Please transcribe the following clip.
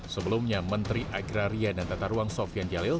sebelumnya menteri agraria dan tata ruang sofian jalil